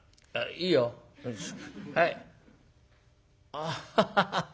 「あハハハ。